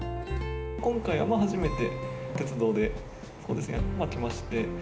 今回は初めて鉄道で来まして。